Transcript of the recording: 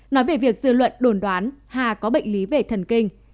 nói về việc dư luận đồn đoán hà có bệnh lý về thần kinh